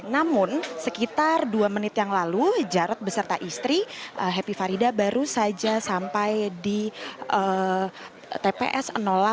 namun sekitar dua menit yang lalu jarod beserta istri happy farida baru saja sampai di tps delapan